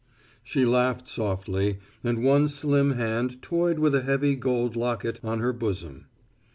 She laughed softly, and one slim hand toyed with a heavy gold locket on her bosom.